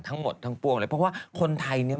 ทั้งหมดทั้งปวงเลยเพราะว่าคนไทยเนี่ย